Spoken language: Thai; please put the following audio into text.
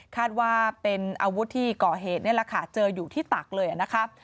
คาดว่าเป็นอาวุธที่ก่อเหตุนี่แหละค่ะเจออยู่ที่ตักเลยนะคะ